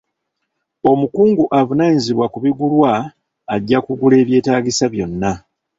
Omukungu avunaanyizibwa ku bigulwa ajja kugula ebyetaagisa byonna.